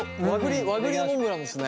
和栗モンブランですね。